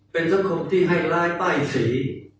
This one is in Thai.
เป็นสังคมที่ให้ร้ายป้ายสี